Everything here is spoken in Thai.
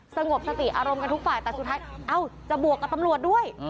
สงบสติอารมณ์กันทุกฝ่ายแต่สุดท้ายเอ้าจะบวกกับตำรวจด้วย